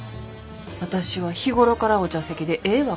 私は日頃からお茶席でええ